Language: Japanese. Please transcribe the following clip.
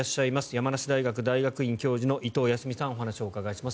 山梨大学大学院教授の伊藤安海さんにお話をお伺いします。